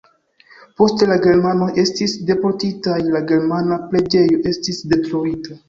Poste la germanoj estis deportitaj, la germana preĝejo estis detruita.